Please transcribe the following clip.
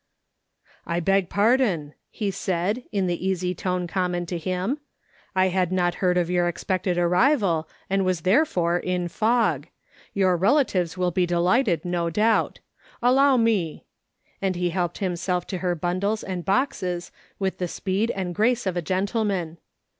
" I beg pardon," he said, in the easy tone common to him. " I had not heard of your expected arrival, and was therefore in fog. Your relatives will be delighted, no doubt. Allow me.'' And he helped himself to her bundles and boxes with the speed and grace of a gentleman.